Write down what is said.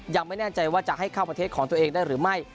ยังไม่แน่ใจว่าจะให้เข้าประเทศของตัวเองได้หรือไม่